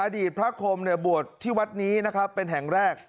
อดีตพระคมบวชที่วัดนี้นะครับเป็นแห่งแรก